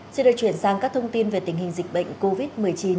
xin được chuyển sang các thông tin về tình hình dịch bệnh covid một mươi chín